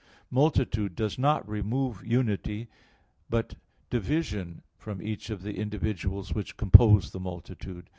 Multitude does not remove unity, but division from each of the individuals which compose the multitude.